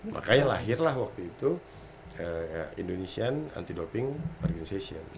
makanya lahirlah waktu itu indonesian anti doping organization